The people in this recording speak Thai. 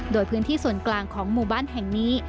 โดยพื้นที่ส่วนกลางของหมู่บ้านแห่งนี้